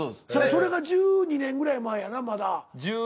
それが１２年ぐらい前やなまだ。